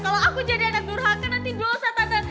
kalo aku jadi anak durhaka nanti dosa tante